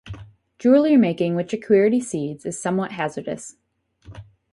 Jewelry-making with jequirity seeds is somewhat hazardous.